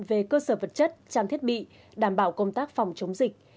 về cơ sở vật chất trang thiết bị đảm bảo công tác phòng chống dịch